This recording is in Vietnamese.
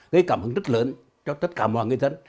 rất lớn cho tất cả mọi người dân